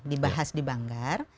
dibahas di banggar